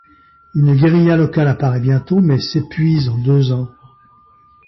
Une guérilla locale apparaît bientôt, mais s'épuise en deux ans.